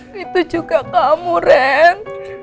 begitu juga kamu ren